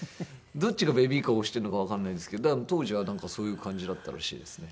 どっちがベビーカー押してるのかわかんないですけど当時はなんかそういう感じだったらしいですね。